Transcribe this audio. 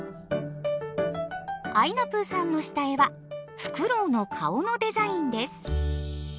あいなぷぅさんの下絵はフクロウの顔のデザインです。